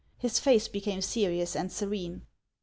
His face became serious and serene.